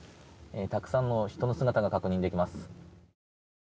たくさんの人の姿が確認できます。